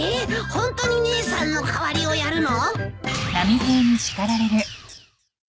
ホントに姉さんの代わりをやるの？